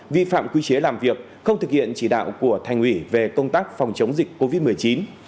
vi phạm quy chế làm việc không thực hiện chỉ đạo của thành ủy về công tác phòng chống dịch covid một mươi chín